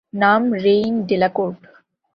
নাম Rain Delacorte.